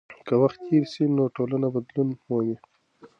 که وخت تېر سي نو ټولنه بدلون مومي.